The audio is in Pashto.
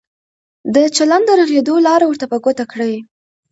د چلند د رغېدو لار ورته په ګوته کړئ.